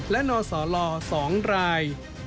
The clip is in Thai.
และนศล๒ราย